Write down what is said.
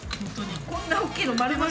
こんな大きいの丸々。